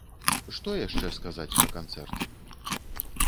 Што яшчэ сказаць пра канцэрт?